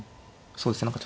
そうですか。